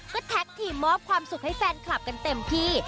ก็แท็กทีมมอบความสุขให้แฟนคลับกันเต็มที่